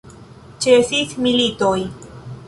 Ĉesis militoj!